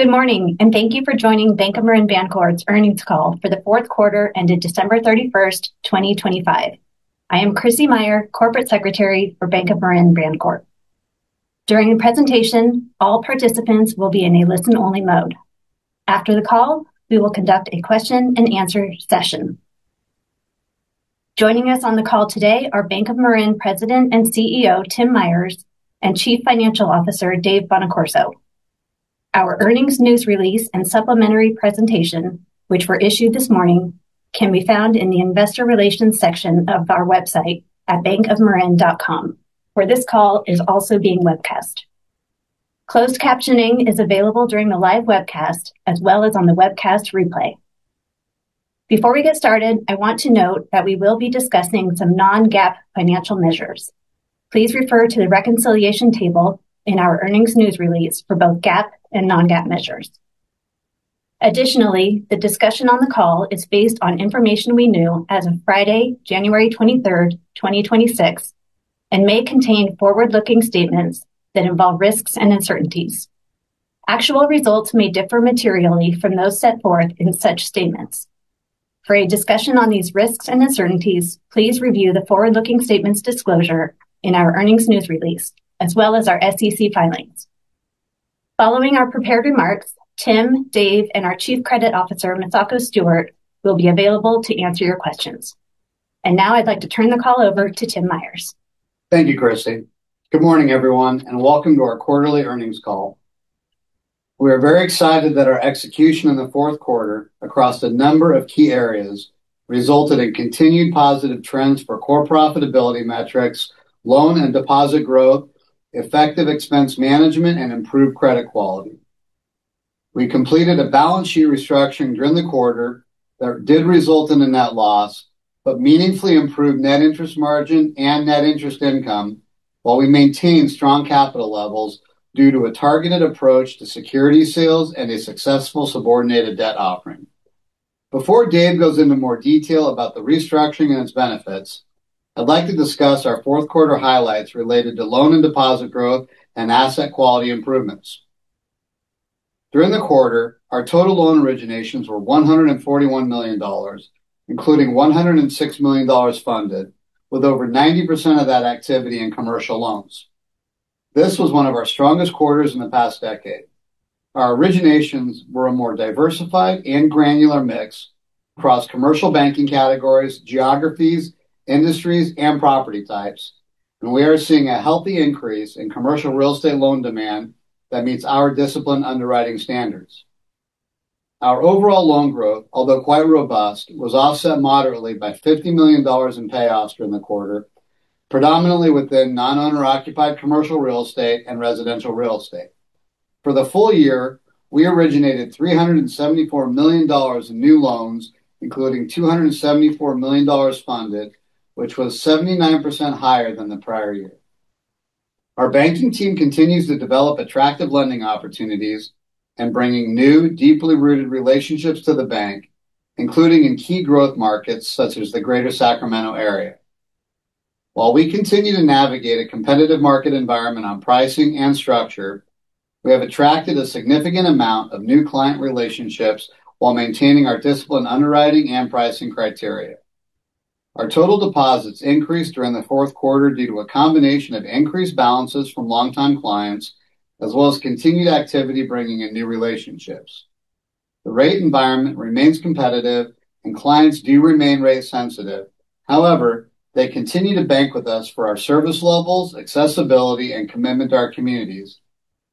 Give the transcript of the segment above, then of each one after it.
Good morning, and thank you for joining Bank of Marin Bancorp's Earnings Call for the Fourth Quarter, ended December 31st, 2025. I am Krissy Meyer, Corporate Secretary for Bank of Marin Bancorp. During the presentation, all participants will be in a listen-only mode. After the call, we will conduct a question and answer session. Joining us on the call today are Bank of Marin President and CEO, Tim Myers, and Chief Financial Officer, Dave Bonaccorso. Our earnings news release and supplementary presentation, which were issued this morning, can be found in the Investor Relations section of our website at bankofmarin.com, where this call is also being webcast. Closed captioning is available during the live webcast as well as on the webcast replay. Before we get started, I want to note that we will be discussing some non-GAAP financial measures. Please refer to the reconciliation table in our earnings news release for both GAAP and non-GAAP measures. Additionally, the discussion on the call is based on information we knew as of Friday, January 23rd, 2026, and may contain forward-looking statements that involve risks and uncertainties. Actual results may differ materially from those set forth in such statements. For a discussion on these risks and uncertainties, please review the forward-looking statements disclosure in our earnings news release, as well as our SEC filings. Following our prepared remarks, Tim, Dave, and our Chief Credit Officer, Misako Stewart, will be available to answer your questions. And now I'd like to turn the call over to Tim Myers. Thank you, Krissy. Good morning, everyone, and welcome to our quarterly earnings call. We are very excited that our execution in the fourth quarter across a number of key areas, resulted in continued positive trends for core profitability metrics, loan and deposit growth, effective expense management, and improved credit quality. We completed a balance sheet restructuring during the quarter that did result in a net loss, but meaningfully improved net interest margin and net interest income, while we maintained strong capital levels due to a targeted approach to security sales and a successful subordinated debt offering. Before Dave goes into more detail about the restructuring and its benefits, I'd like to discuss our fourth quarter highlights related to loan and deposit growth and asset quality improvements. During the quarter, our total loan originations were $141 million, including $106 million funded, with over 90% of that activity in commercial loans. This was one of our strongest quarters in the past decade. Our originations were a more diversified and granular mix across commercial banking categories, geographies, industries, and property types, and we are seeing a healthy increase in commercial real estate loan demand that meets our disciplined underwriting standards. Our overall loan growth, although quite robust, was offset moderately by $50 million in payoffs during the quarter, predominantly within non-owner-occupied commercial real estate and residential real estate. For the full year, we originated $374 million in new loans, including $274 million funded, which was 79% higher than the prior year. Our banking team continues to develop attractive lending opportunities and bringing new, deeply rooted relationships to the bank, including in key growth markets such as the Greater Sacramento area. While we continue to navigate a competitive market environment on pricing and structure, we have attracted a significant amount of new client relationships while maintaining our disciplined underwriting and pricing criteria. Our total deposits increased during the fourth quarter due to a combination of increased balances from longtime clients, as well as continued activity bringing in new relationships. The rate environment remains competitive and clients do remain rate sensitive. However, they continue to bank with us for our service levels, accessibility, and commitment to our communities,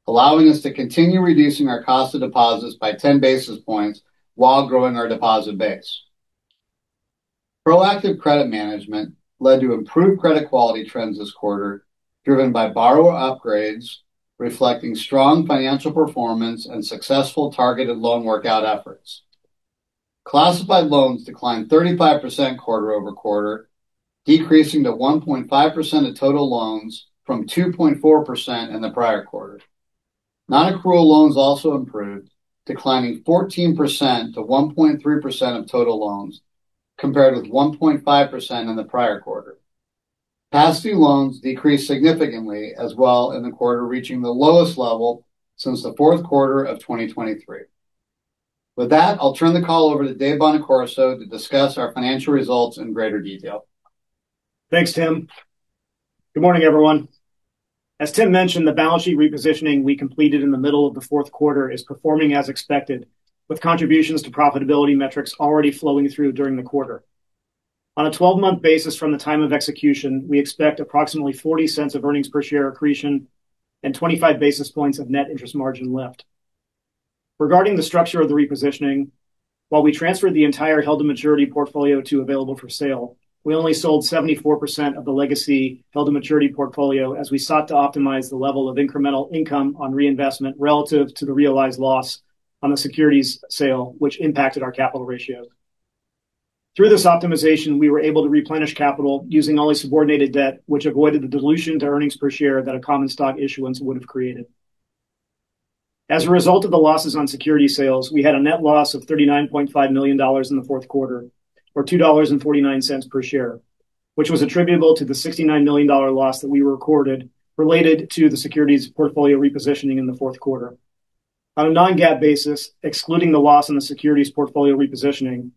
allowing us to continue reducing our cost of deposits by 10 basis points while growing our deposit base. Proactive credit management led to improved credit quality trends this quarter, driven by borrower upgrades, reflecting strong financial performance and successful targeted loan workout efforts. Classified loans declined 35% quarter-over-quarter, decreasing to 1.5% of total loans from 2.4% in the prior quarter. Non-accrual loans also improved, declining 14% to 1.3% of total loans, compared with 1.5% in the prior quarter. Past due loans decreased significantly as well in the quarter, reaching the lowest level since the fourth quarter of 2023. With that, I'll turn the call over to Dave Bonaccorso to discuss our financial results in greater detail. Thanks, Tim. Good morning, everyone. As Tim mentioned, the balance sheet repositioning we completed in the middle of the fourth quarter is performing as expected, with contributions to profitability metrics already flowing through during the quarter. On a 12-month basis from the time of execution, we expect approximately $0.40 of earnings per share accretion and 25 basis points of net interest margin lift. Regarding the structure of the repositioning, while we transferred the entire held-to-maturity portfolio to available for sale, we only sold 74% of the legacy held-to-maturity portfolio, as we sought to optimize the level of incremental income on reinvestment relative to the realized loss on the securities sale, which impacted our capital ratios. Through this optimization, we were able to replenish capital using only subordinated debt, which avoided the dilution to earnings per share that a common stock issuance would have created. As a result of the losses on security sales, we had a net loss of $39.5 million in the fourth quarter, or $2.49 per share, which was attributable to the $69 million loss that we recorded related to the securities portfolio repositioning in the fourth quarter. On a non-GAAP basis, excluding the loss in the securities portfolio repositioning,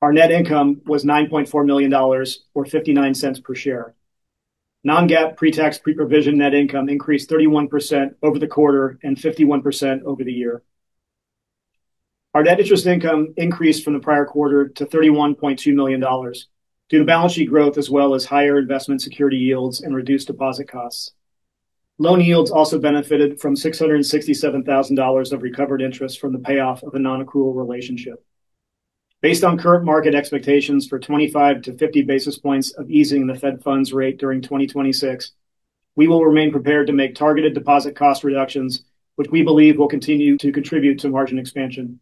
our net income was $9.4 million, or $0.59 per share. Non-GAAP pre-tax, pre-provision net income increased 31% over the quarter and 51% over the year. Our net interest income increased from the prior quarter to $31.2 million due to balance sheet growth, as well as higher investment security yields and reduced deposit costs. Loan yields also benefited from $667,000 of recovered interest from the payoff of a non-accrual relationship. Based on current market expectations for 25-50 basis points of easing the Fed funds rate during 2026, we will remain prepared to make targeted deposit cost reductions, which we believe will continue to contribute to margin expansion.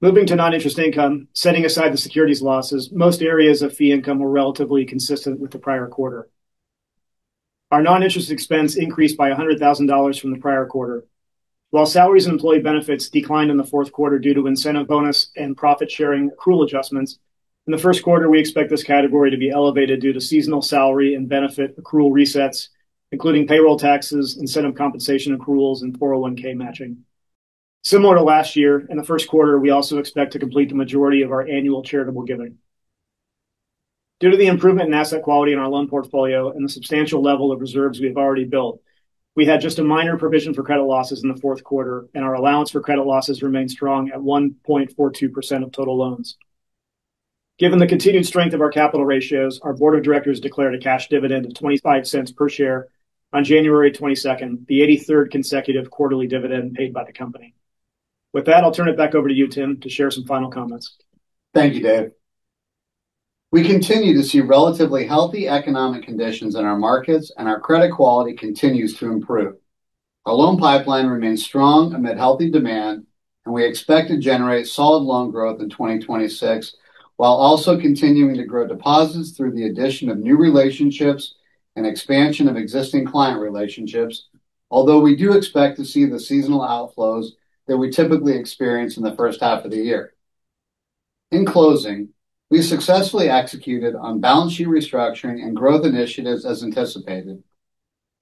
Moving to non-interest income, setting aside the securities losses, most areas of fee income were relatively consistent with the prior quarter. Our non-interest expense increased by $100,000 from the prior quarter. While salaries and employee benefits declined in the fourth quarter due to incentive bonus and profit-sharing accrual adjustments, in the first quarter, we expect this category to be elevated due to seasonal salary and benefit accrual resets, including payroll taxes, incentive compensation accruals, and 401(k) matching. Similar to last year, in the first quarter, we also expect to complete the majority of our annual charitable giving. Due to the improvement in asset quality in our loan portfolio and the substantial level of reserves we have already built, we had just a minor provision for credit losses in the fourth quarter, and our allowance for credit losses remains strong at 1.42% of total loans. Given the continued strength of our capital ratios, our board of directors declared a cash dividend of $0.25 per share on January 22nd, the 83rd consecutive quarterly dividend paid by the company. With that, I'll turn it back over to you, Tim, to share some final comments. Thank you, Dave. We continue to see relatively healthy economic conditions in our markets, and our credit quality continues to improve. Our loan pipeline remains strong amid healthy demand, and we expect to generate solid loan growth in 2026, while also continuing to grow deposits through the addition of new relationships and expansion of existing client relationships, although we do expect to see the seasonal outflows that we typically experience in the first half of the year. In closing, we successfully executed on balance sheet restructuring and growth initiatives as anticipated,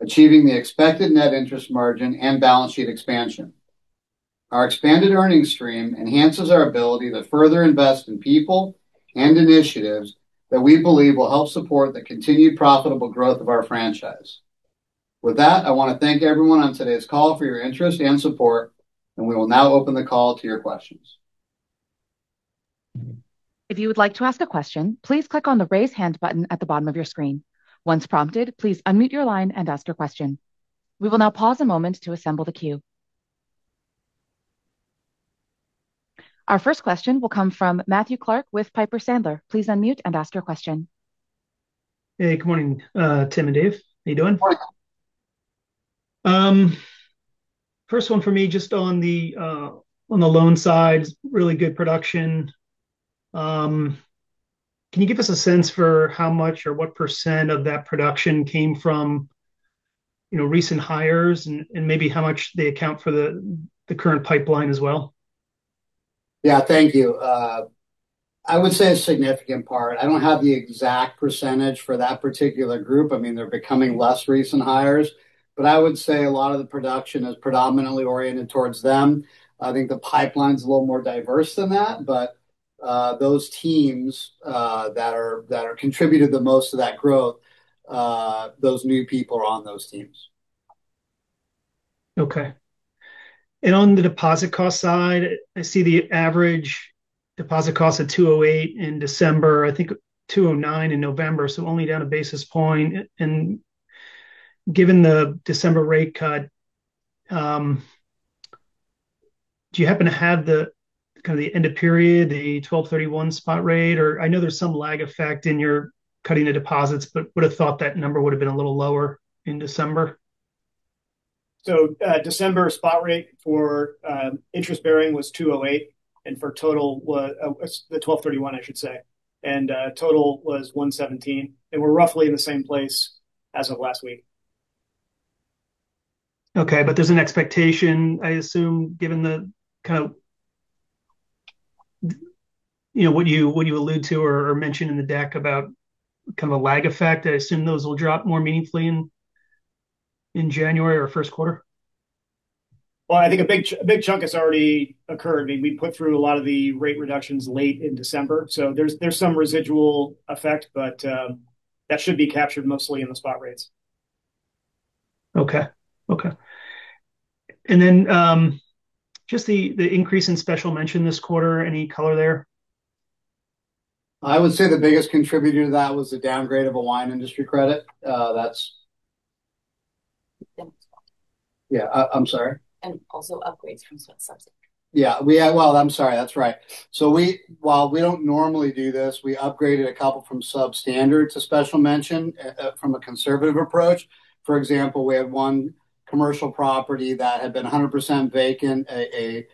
achieving the expected net interest margin and balance sheet expansion. Our expanded earnings stream enhances our ability to further invest in people and initiatives that we believe will help support the continued profitable growth of our franchise. With that, I want to thank everyone on today's call for your interest and support, and we will now open the call to your questions. If you would like to ask a question, please click on the Raise Hand button at the bottom of your screen. Once prompted, please unmute your line and ask your question. We will now pause a moment to assemble the queue. Our first question will come from Matthew Clark with Piper Sandler. Please unmute and ask your question. Hey, good morning, Tim and Dave. How you doing? Morning. First one for me, just on the loan side, really good production. Can you give us a sense for how much or what percent of that production came from, you know, recent hires and, and maybe how much they account for the current pipeline as well? Yeah, thank you. I would say a significant part. I don't have the exact percentage for that particular group. I mean, they're becoming less recent hires, but I would say a lot of the production is predominantly oriented towards them. I think the pipeline's a little more diverse than that, but those teams that are contributed the most of that growth, those new people are on those teams. Okay. On the deposit cost side, I see the average deposit cost at 2.08% in December, I think 2.09% in November, so only down a basis point. And given the December rate cut, do you happen to have the kind of the end of period, the 12/31 spot rate? Or I know there's some lag effect in your cutting the deposits, but would have thought that number would have been a little lower in December. So, December spot rate for interest bearing was 2.08%, and for total, the 12/31, I should say, and total was 1.17%, and we're roughly in the same place as of last week. Okay, but there's an expectation, I assume, given the kind of—you know, what you allude to or mentioned in the deck about kind of a lag effect, I assume those will drop more meaningfully in January or first quarter? Well, I think a big, a big chunk has already occurred. I mean, we put through a lot of the rate reductions late in December, so there's, there's some residual effect, but, that should be captured mostly in the spot rates. Okay. Okay. And then, just the increase in Special Mention this quarter, any color there? I would say the biggest contributor to that was the downgrade of a wine industry credit. That's- Yeah, I'm sorry? Also upgrades from Substandard. Yeah, we are—Well, I'm sorry. That's right. So we—while we don't normally do this, we upgraded a couple from Substandard to Special Mention from a conservative approach. For example, we had one commercial property that had been 100% vacant, an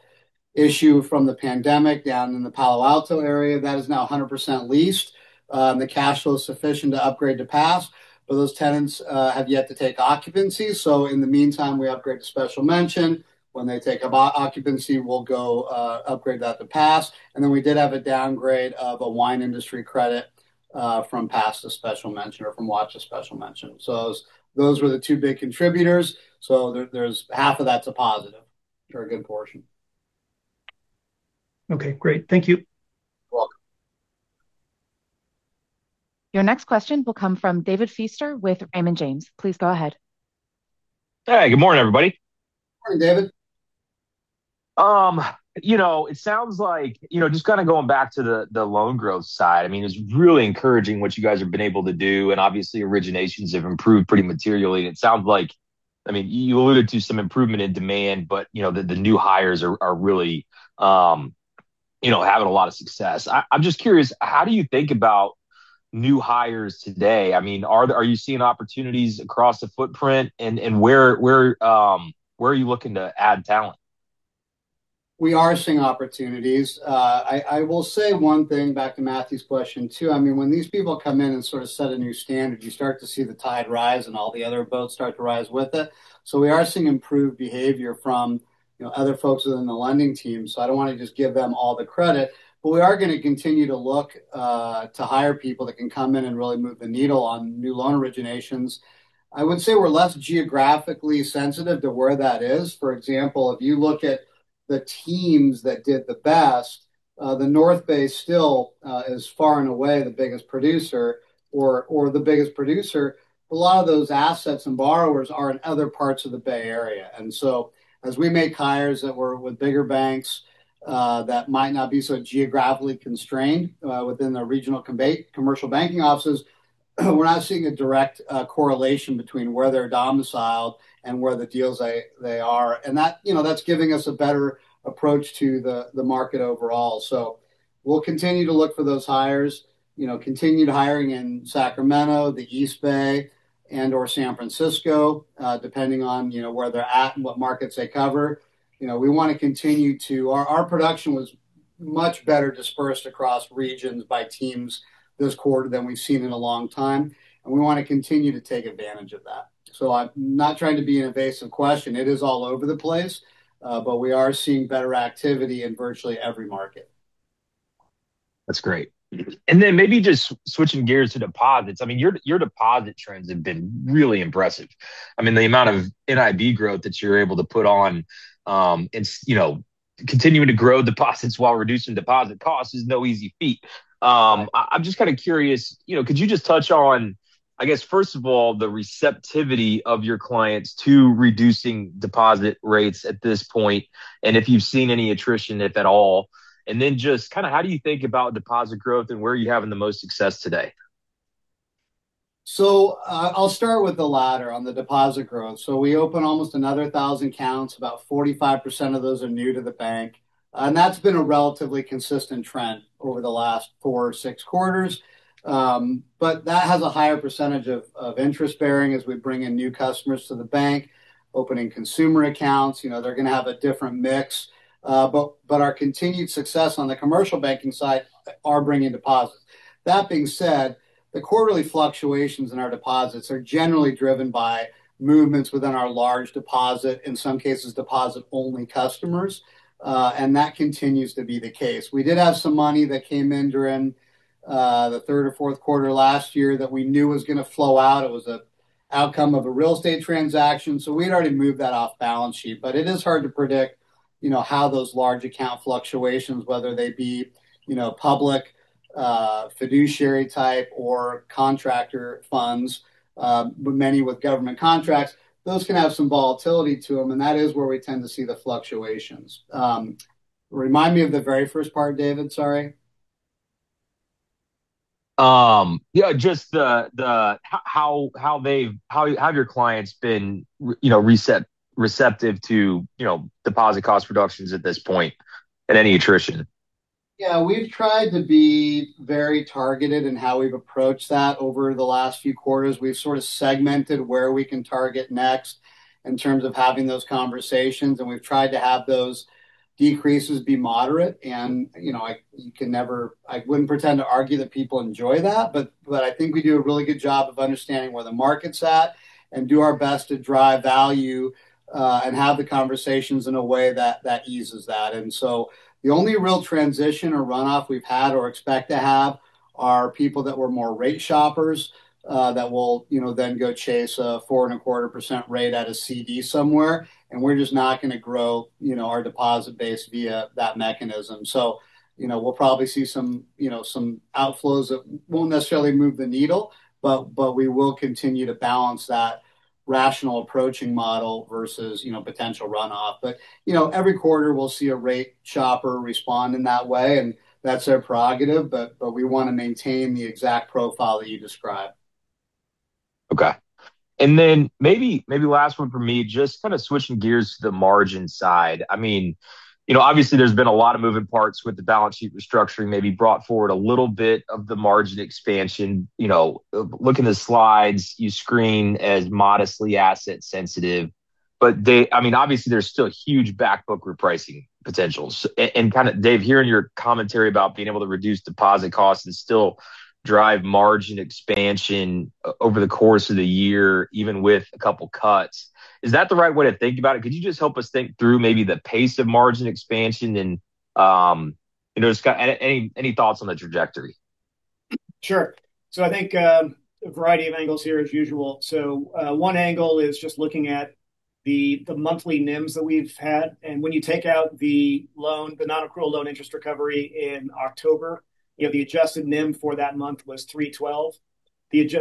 issue from the pandemic down in the Palo Alto area that is now 100% leased. The cash flow is sufficient to upgrade to Pass, but those tenants have yet to take occupancy. So in the meantime, we upgrade to Special Mention. When they take up occupancy, we'll go upgrade that to Pass. And then we did have a downgrade of a wine industry credit from Pass to Special Mention or from Watch to Special Mention. So those were the two big contributors. So there, there's half of that's a positive or a good portion. Okay, great. Thank you. You're welcome. Your next question will come from David Feaster with Raymond James. Please go ahead. Hey, good morning, everybody. Morning, David. You know, it sounds like, you know, just kind of going back to the loan growth side. I mean, it's really encouraging what you guys have been able to do, and obviously, originations have improved pretty materially. And it sounds like—I mean, you alluded to some improvement in demand, but, you know, the new hires are really, you know, having a lot of success. I'm just curious, how do you think about new hires today? I mean, are you seeing opportunities across the footprint? And where are you looking to add talent? We are seeing opportunities. I will say one thing back to Matthew's question, too. I mean, when these people come in and sort of set a new standard, you start to see the tide rise, and all the other boats start to rise with it. So we are seeing improved behavior from, you know, other folks within the lending team, so I don't want to just give them all the credit. But we are gonna continue to look to hire people that can come in and really move the needle on new loan originations. I would say we're less geographically sensitive to where that is. For example, if you look at the teams that did the best, the North Bay still is far and away the biggest producer or the biggest producer. A lot of those assets and borrowers are in other parts of the Bay Area. So as we make hires that we're with bigger banks that might not be so geographically constrained within the regional commercial banking offices, we're not seeing a direct correlation between where they're domiciled and where the deals they are. That, you know, that's giving us a better approach to the market overall. So we'll continue to look for those hires, you know, continue hiring in Sacramento, the East Bay, and/or San Francisco, depending on, you know, where they're at and what markets they cover. You know, we wanna continue to. Our production was much better dispersed across regions by teams this quarter than we've seen in a long time, and we wanna continue to take advantage of that. I'm not trying to be evasive question. It is all over the place, but we are seeing better activity in virtually every market. That's great. And then maybe just switching gears to deposits. I mean, your, your deposit trends have been really impressive. I mean, the amount of NIB growth that you're able to put on, you know, continuing to grow deposits while reducing deposit costs is no easy feat. I'm just kind of curious, you know, could you just touch on, I guess, first of all, the receptivity of your clients to reducing deposit rates at this point, and if you've seen any attrition, if at all? And then just kind of how do you think about deposit growth, and where are you having the most success today? So, I'll start with the latter, on the deposit growth. So we opened almost another 1,000 accounts. About 45% of those are new to the bank, and that's been a relatively consistent trend over the last four or six quarters. But that has a higher percentage of interest bearing as we bring in new customers to the bank, opening consumer accounts, you know, they're gonna have a different mix. But our continued success on the commercial banking side are bringing deposits. That being said, the quarterly fluctuations in our deposits are generally driven by movements within our large deposit, in some cases, deposit-only customers, and that continues to be the case. We did have some money that came in during the third or fourth quarter last year that we knew was gonna flow out. It was an outcome of a real estate transaction, so we'd already moved that off balance sheet. But it is hard to predict, you know, how those large account fluctuations, whether they be, you know, public, fiduciary type or contractor funds, many with government contracts, those can have some volatility to them, and that is where we tend to see the fluctuations. Remind me of the very first part, David, sorry. Yeah, just how have your clients been, you know, receptive to, you know, deposit cost reductions at this point, and any attrition? Yeah, we've tried to be very targeted in how we've approached that over the last few quarters. We've sort of segmented where we can target next in terms of having those conversations, and we've tried to have those decreases be moderate. And, you know, I wouldn't pretend to argue that people enjoy that, but, but I think we do a really good job of understanding where the market's at and do our best to drive value, and have the conversations in a way that eases that. And so the only real transition or runoff we've had or expect to have are people that were more rate shoppers, that will, you know, then go chase a 4.25% rate at a CD somewhere, and we're just not gonna grow, you know, our deposit base via that mechanism. So, you know, we'll probably see some, you know, some outflows that won't necessarily move the needle, but, but we will continue to balance that rational approaching model versus, you know, potential runoff. But, you know, every quarter, we'll see a rate shopper respond in that way, and that's their prerogative, but, but we want to maintain the exact profile that you described. Okay. And then maybe, maybe last one for me, just kind of switching gears to the margin side. I mean, you know, obviously there's been a lot of moving parts with the balance sheet restructuring, maybe brought forward a little bit of the margin expansion. You know, looking at the slides, you screen as modestly asset sensitive. But they-- I mean, obviously, there's still huge back book repricing potentials. And kind of, Dave, hearing your commentary about being able to reduce deposit costs and still drive margin expansion over the course of the year, even with a couple cuts, is that the right way to think about it? Could you just help us think through maybe the pace of margin expansion and, you know, just got any thoughts on the trajectory? Sure. So I think, a variety of angles here, as usual. So, one angle is just looking at the monthly NIMs that we've had. And when you take out the loan, the nonaccrual loan interest recovery in October, you know, the adjusted NIM for that month was 3.12%. And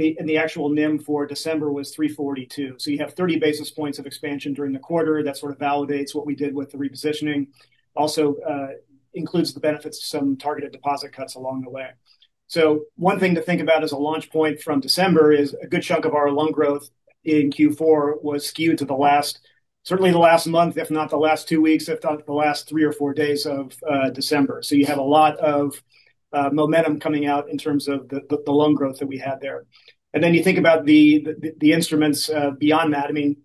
the actual NIM for December was 3.42%. So you have 30 basis points of expansion during the quarter. That sort of validates what we did with the repositioning. Also, includes the benefits of some targeted deposit cuts along the way. So one thing to think about as a launch point from December is a good chunk of our loan growth in Q4 was skewed to the last, certainly the last month, if not the last two weeks, if not the last three or four days of December. So you had a lot of momentum coming out in terms of the loan growth that we had there. And then you think about the instruments beyond that. I mean,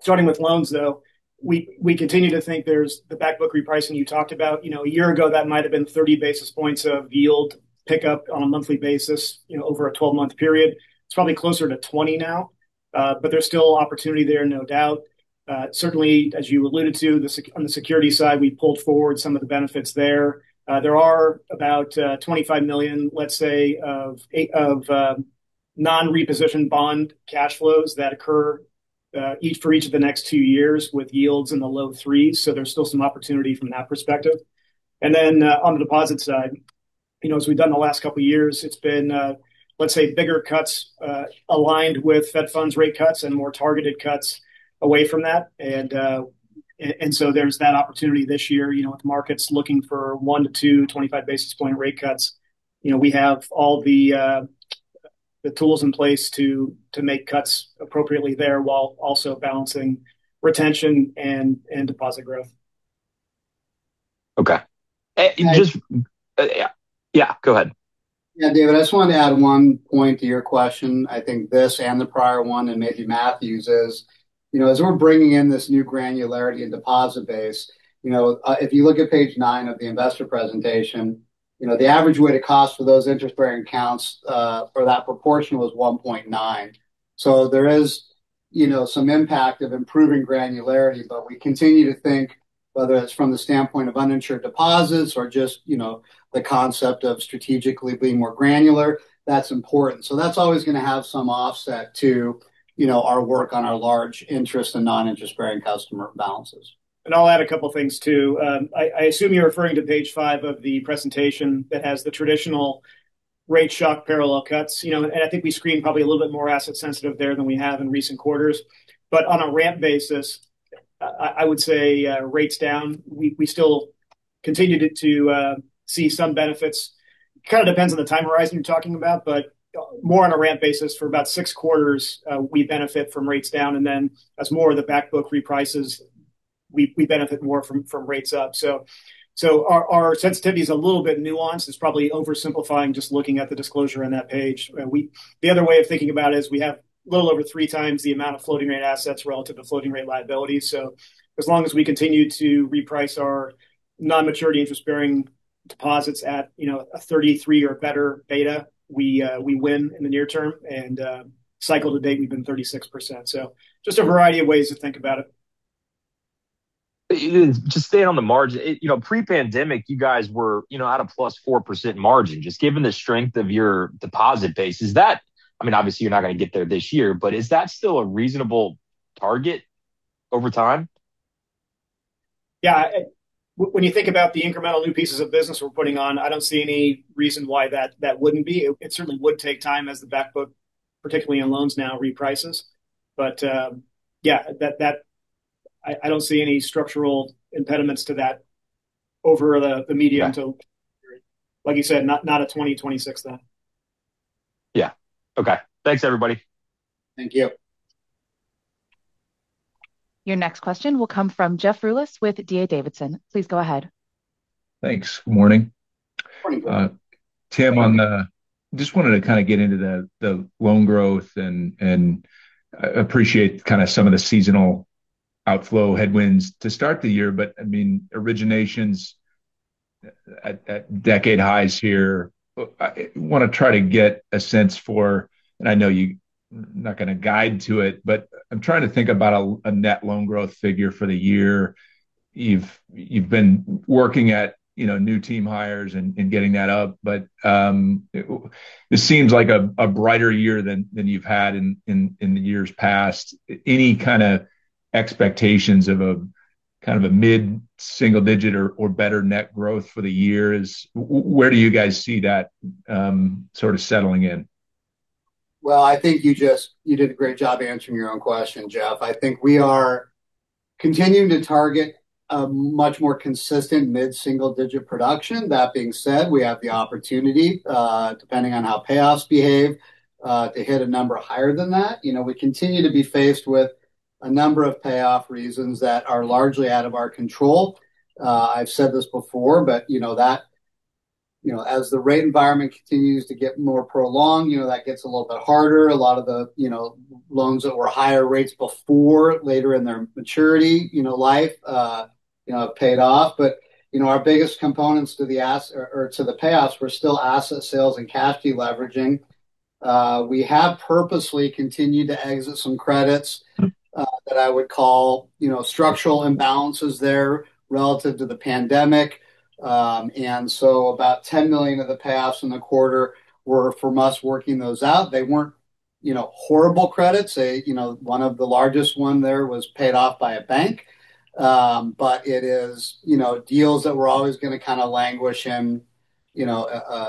starting with loans, though, we continue to think there's the back book repricing you talked about. You know, a year ago, that might have been 30 basis points of yield pickup on a monthly basis, you know, over a 12-month period. It's probably closer to 20 now, but there's still opportunity there, no doubt. Certainly, as you alluded to, the security side, we pulled forward some of the benefits there. There are about $25 million, let's say, of non-reposition bond cash flows that occur each for each of the next two years, with yields in the low threes. So there's still some opportunity from that perspective. And then, on the deposit side, you know, as we've done the last couple of years, it's been, let's say, bigger cuts, aligned with Fed funds rate cuts and more targeted cuts away from that. And, and so there's that opportunity this year, you know, with the markets looking for one to two 25 basis point rate cuts. You know, we have all the, the tools in place to, to make cuts appropriately there, while also balancing retention and, and deposit growth. Okay. Yeah. Yeah, go ahead. Yeah, David, I just wanted to add one point to your question. I think this and the prior one, and maybe Matthew's, is, you know, as we're bringing in this new granularity and deposit base, you know, if you look at page nine of the investor presentation, you know, the average weighted cost for those interest-bearing accounts, for that proportion was 1.9%. So there is, you know, some impact of improving granularity, but we continue to think whether it's from the standpoint of uninsured deposits or just, you know, the concept of strategically being more granular, that's important. So that's always gonna have some offset to, you know, our work on our large interest and non-interest-bearing customer balances. I'll add a couple things, too. I assume you're referring to page five of the presentation that has the traditional rate shock parallel cuts. You know, and I think we screened probably a little bit more asset sensitive there than we have in recent quarters. But on a ramp basis, I would say, rates down, we still continued to see some benefits. It kind of depends on the time horizon you're talking about, but more on a ramp basis, for about six quarters, we benefit from rates down, and then as more of the back book reprices, we benefit more from rates up. So our sensitivity is a little bit nuanced. It's probably oversimplifying, just looking at the disclosure on that page. The other way of thinking about it is we have a little over three times the amount of floating rate assets relative to floating rate liabilities. So as long as we continue to reprice our non-maturity interest-bearing deposits at, you know, a 33 or better beta, we win in the near term. And cycle to date, we've been 36%. So just a variety of ways to think about it. Just staying on the margin, you know, pre-pandemic, you guys were, you know, at a +4% margin. Just given the strength of your deposit base, is that... I mean, obviously you're not gonna get there this year, but is that still a reasonable target over time? Yeah. When you think about the incremental new pieces of business we're putting on, I don't see any reason why that wouldn't be. It certainly would take time as the back book, particularly in loans now, reprices. But, yeah, I don't see any structural impediments to that over the medium to- Period. Like you said, not a 2026, then. Yeah. Okay. Thanks, everybody. Thank you. Your next question will come from Jeff Rulis with D.A. Davidson. Please go ahead. Thanks. Good morning. Good morning. Tim, just wanted to kind of get into the loan growth and appreciate kind of some of the seasonal outflow headwinds to start the year. But, I mean, originations at decade highs here. I wanna try to get a sense for, and I know you're not gonna guide to it, but I'm trying to think about a net loan growth figure for the year. You've been working at, you know, new team hires and getting that up, but this seems like a brighter year than you've had in the years past. Any kind of expectations of a kind of a mid-single digit or better net growth for the years? Where do you guys see that sort of settling in? Well, I think you did a great job answering your own question, Jeff. I think we are continuing to target a much more consistent mid-single digit production. That being said, we have the opportunity, depending on how payoffs behave, to hit a number higher than that. You know, we continue to be faced with a number of payoff reasons that are largely out of our control. I've said this before, but you know that, you know, as the rate environment continues to get more prolonged, you know, that gets a little bit harder. A lot of the, you know, loans that were higher rates before, later in their maturity, you know, life, you know, paid off. But, you know, our biggest components to the payoffs were still asset sales and cash deleveraging. We have purposely continued to exit some credits that I would call, you know, structural imbalances there relative to the pandemic. And so about $10 million of the payoffs in the quarter were from us working those out. They weren't, you know, horrible credits. They, you know, one of the largest one there was paid off by a bank. But it is, you know, deals that were always gonna kind of languish in, you know,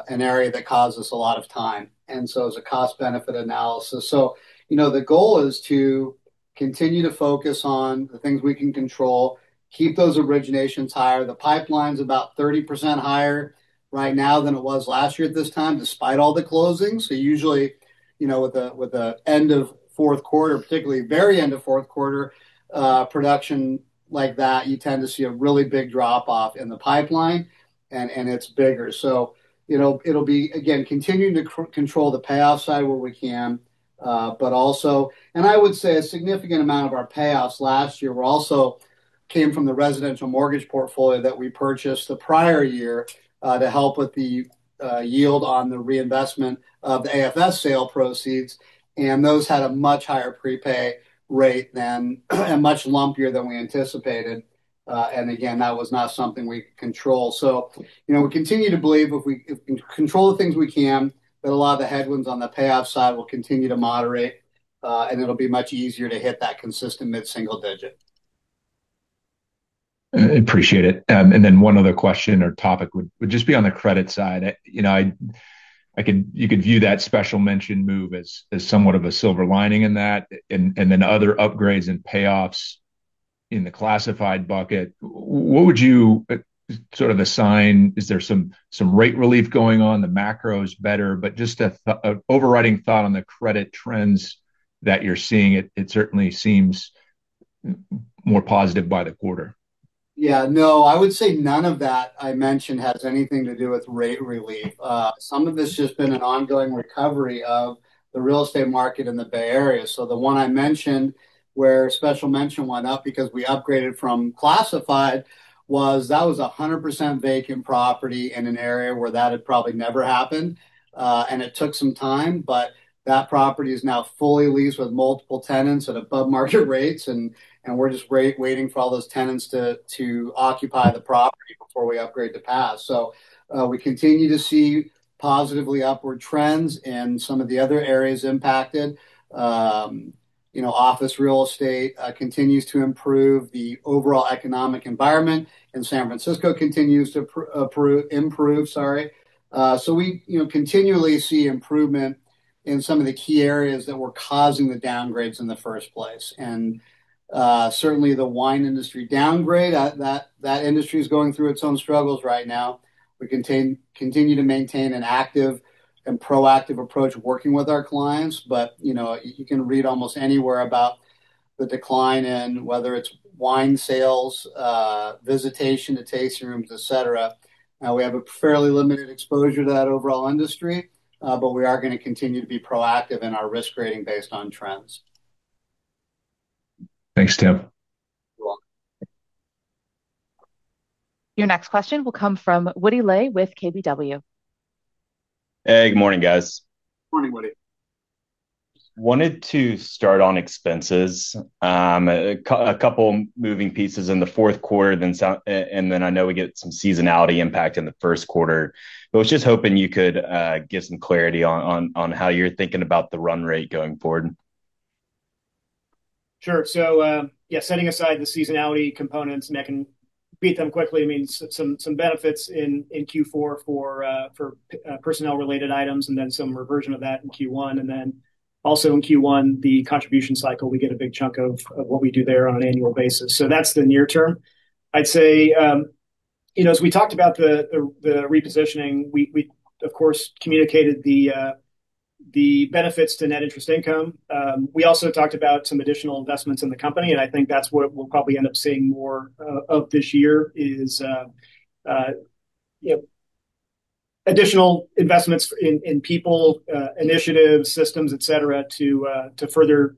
an area that caused us a lot of time, and so it was a cost-benefit analysis. So, you know, the goal is to continue to focus on the things we can control, keep those originations higher. The pipeline's about 30% higher right now than it was last year at this time, despite all the closings. So usually, you know, with the, with the end of fourth quarter, particularly very end of fourth quarter, production like that, you tend to see a really big drop-off in the pipeline, and it's bigger. So, you know, it'll be, again, continuing to control the payoff side where we can, but also... And I would say a significant amount of our payoffs last year were also came from the residential mortgage portfolio that we purchased the prior year, to help with the, yield on the reinvestment of the AFS sale proceeds, and those had a much higher prepay rate than, and much lumpier than we anticipated. And again, that was not something we could control. So, you know, we continue to believe if we can control the things we can, that a lot of the headwinds on the payoff side will continue to moderate, and it'll be much easier to hit that consistent mid-single digit. Appreciate it. And then one other question or topic would just be on the credit side. You know, you could view that Special Mention move as somewhat of a silver lining in that, and then other upgrades and payoffs in the classified bucket. What would you sort of assign? Is there some rate relief going on? The macro is better, but just a overriding thought on the credit trends that you're seeing. It certainly seems more positive by the quarter. Yeah. No, I would say none of that I mentioned has anything to do with rate relief. Some of it's just been an ongoing recovery of the real estate market in the Bay Area. So the one I mentioned, where Special Mention went up because we upgraded from classified, was a 100% vacant property in an area where that had probably never happened. And it took some time, but that property is now fully leased with multiple tenants at above market rates, and we're just waiting for all those tenants to occupy the property before we upgrade the Pass. So, we continue to see positively upward trends in some of the other areas impacted. You know, office real estate continues to improve the overall economic environment, and San Francisco continues to improve. Sorry. So we, you know, continually see improvement in some of the key areas that were causing the downgrades in the first place. And certainly the wine industry downgrade, that industry is going through its own struggles right now. We continue to maintain an active and proactive approach working with our clients, but, you know, you can read almost anywhere about the decline in whether it's wine sales, visitation to tasting rooms, et cetera. We have a fairly limited exposure to that overall industry, but we are gonna continue to be proactive in our risk rating based on trends. Thanks, Tim. You're welcome. Your next question will come from Woody Lay with KBW. Hey, good morning, guys. Morning, Woody. Wanted to start on expenses. A couple moving pieces in the fourth quarter, then and then I know we get some seasonality impact in the first quarter. But I was just hoping you could give some clarity on how you're thinking about the run rate going forward. Sure. So, yeah, setting aside the seasonality components, and I can beat them quickly, I mean, some benefits in Q4 for personnel-related items, and then some reversion of that in Q1. And then also in Q1, the contribution cycle, we get a big chunk of what we do there on an annual basis. So that's the near term. I'd say, you know, as we talked about the repositioning, we, of course, communicated the benefits to net interest income. We also talked about some additional investments in the company, and I think that's what we'll probably end up seeing more of this year, is, you know, additional investments in people, initiatives, systems, et cetera, to further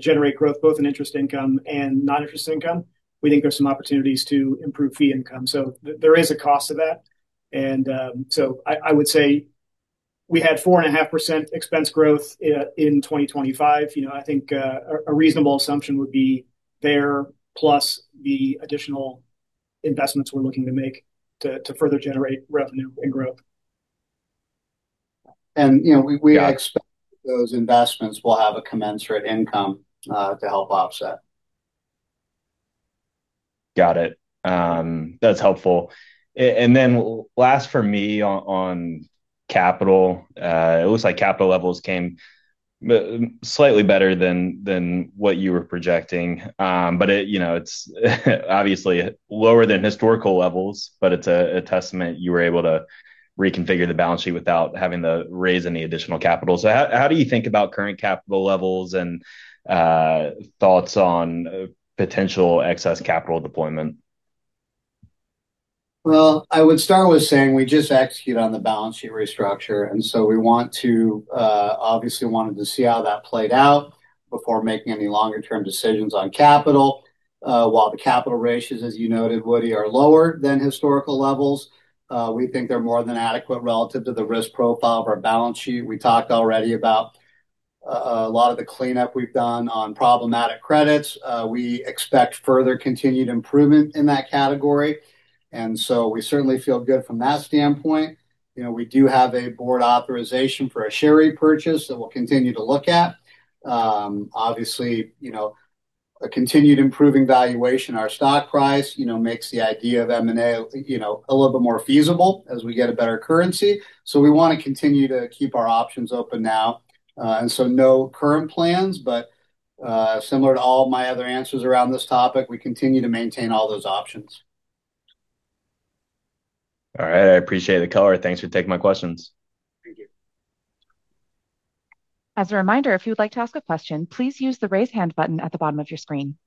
generate growth, both in interest income and non-interest income. We think there are some opportunities to improve fee income. So there is a cost to that, and so I would say we had 4.5% expense growth in 2025. You know, I think a reasonable assumption would be there, plus the additional investments we're looking to make to further generate revenue and growth. You know, Yeah... we expect those investments will have a commensurate income to help offset. Got it. That's helpful. And then last for me on capital. It looks like capital levels came in slightly better than what you were projecting. But you know, it's obviously lower than historical levels, but it's a testament you were able to reconfigure the balance sheet without having to raise any additional capital. So how do you think about current capital levels and thoughts on potential excess capital deployment? Well, I would start with saying we just execute on the balance sheet restructure, and so we want to obviously wanted to see how that played out before making any longer-term decisions on capital. While the capital ratios, as you noted, Woody, are lower than historical levels, we think they're more than adequate relative to the risk profile of our balance sheet. We talked already about a lot of the cleanup we've done on problematic credits. We expect further continued improvement in that category, and so we certainly feel good from that standpoint. You know, we do have a board authorization for a share repurchase that we'll continue to look at. Obviously, you know, a continued improving valuation, our stock price, you know, makes the idea of M&A, you know, a little bit more feasible as we get a better currency. So we want to continue to keep our options open now. So no current plans, but similar to all my other answers around this topic, we continue to maintain all those options. All right. I appreciate the color. Thanks for taking my questions. Thank you. As a reminder, if you'd like to ask a question, please use the Raise Hand button at the bottom of your screen.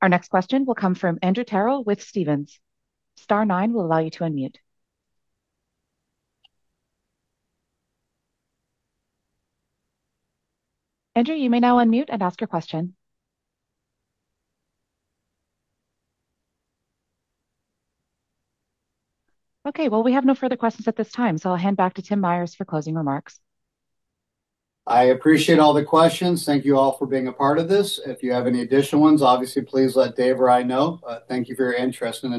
Our next question will come from Andrew Terrell with Stephens. Star nine will allow you to unmute. Andrew, you may now unmute and ask your question. Okay, well, we have no further questions at this time, so I'll hand back to Tim Myers for closing remarks. I appreciate all the questions. Thank you all for being a part of this. If you have any additional ones, obviously, please let Dave or I know. Thank you for your interest, and-